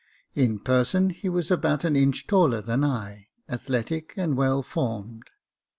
In person he was about an inch taller than I, athletic, and well formed.